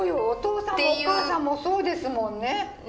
お父さんもお母さんもそうですもんね。